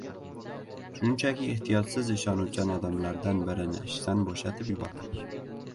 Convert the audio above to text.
Shunchaki ehtiyotsiz ishonuvchan odamlardan birini ishdan boʻshatib yubordik.